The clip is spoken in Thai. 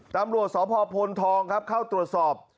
ตำรวจสพธท้องจะเข้าตรวจสอบ